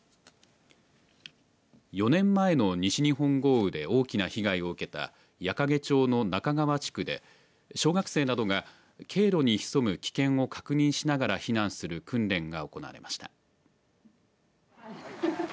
４年前の西日本豪雨で大きな被害を受けた矢掛町の那珂川地区で小学生などが経路に潜む危険を確認しながら避難する訓練が行われました。